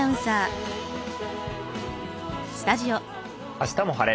「あしたも晴れ！